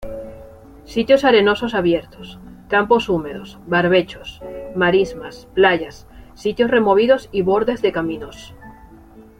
Sitios arenosos abiertos, campos húmedos, barbechos, marismas, playas, sitios removidos y bordes de caminos.